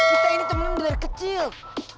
kita ini teman dari kecil